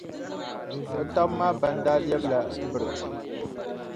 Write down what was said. O taba maa ban daa lɛbila biriti.